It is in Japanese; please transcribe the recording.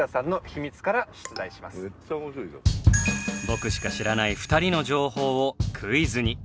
僕しか知らない２人の情報をクイズに。